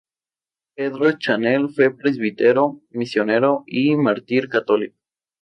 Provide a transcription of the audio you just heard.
Pedro Chanel fue presbítero, misionero y mártir católico.